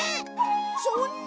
そんな。